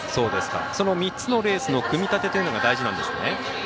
その３つのレースの組み立てというのが大事なんですね。